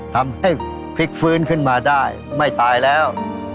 ทำให้พลิกฟื้นขึ้นมาได้ไม่ตายแล้ว